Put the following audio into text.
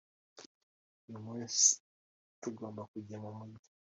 uyu munsi tugomba kujya mumujyi